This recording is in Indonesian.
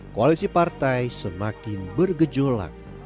koalisi partai semakin bergejolak